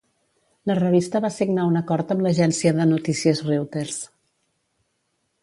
La revista va signar un acord amb l'agència de notícies Reuters.